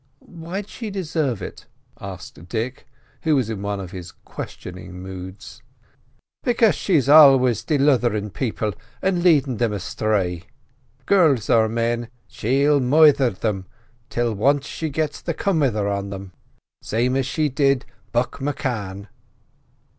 "Why'd she deserve it?" asked Dick, who was in one of his questioning moods. "Because she's always delutherin' people an' leadin' thim asthray. Girls or men, she moidhers thim all once she gets the comeither on them; same as she did Buck M'Cann."